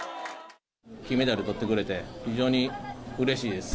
金メダルとってくれて、非常にうれしいです。